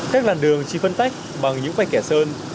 các làn đường chỉ phân tách bằng những vạch kẻ sơn